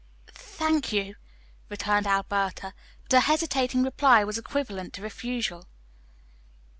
"Thank you," returned Alberta, but her hesitating reply was equivalent to refusal.